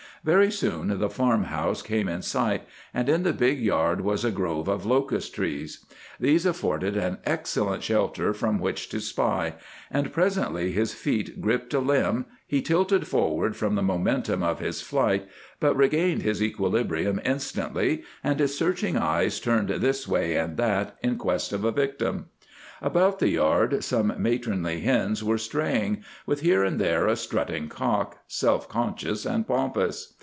Very soon the farm house came in sight, and in the big yard was a grove of locust trees. These afforded an excellent shelter from which to spy, and presently his feet gripped a limb, he tilted forward from the momentum of his flight, but regained his equilibrium instantly, and his searching eyes turned this way and that in quest of a victim. About the yard some matronly hens were straying, with here and there a strutting cock, self conscious and pompous.